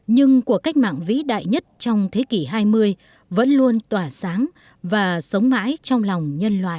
nhưng cuộc cách mạng vĩ đại nhất trong thế kỷ hai mươi vẫn luôn tỏa sáng và sống mãi trong lòng nhân loại